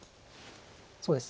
そうですね